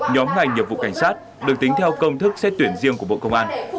nhóm ngành nhiệm vụ cảnh sát được tính theo công thức xét tuyển riêng của bộ công an